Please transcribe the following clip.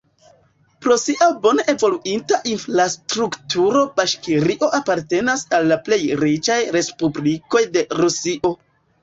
Pro sia bone evoluinta infrastrukturo Baŝkirio apartenas al la plej riĉaj respublikoj de Rusio.